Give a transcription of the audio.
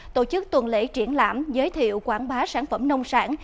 tổ chức tuần lễ triển lãm giới thiệu quảng bá sản phẩm nông sản